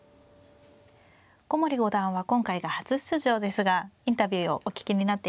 古森五段は今回が初出場ですがインタビューをお聞きになっていかがでしたか。